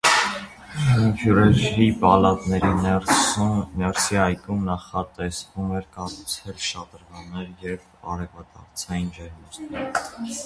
Ֆյուրերի պալատի ներսի այգում նախատեսվում էր կառուցել շատրվաններ և արևադարձային ջերմոցներ։